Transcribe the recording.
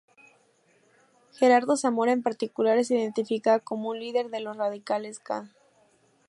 Gerardo Zamora en particular es identificado como un líder de los 'Radicales K'.